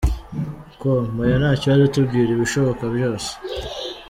com: Oya nta kibazo tubwire ibishoboka byose.